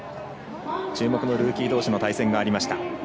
注目のルーキーどうしの対戦がありました。